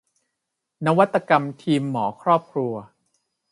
นวัตกรรมทีมหมอครอบครัว